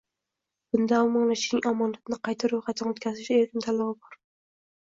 Bunda omonatchining omonatni qayta ro'yxatdan o'tkazishda erkin tanlovi bor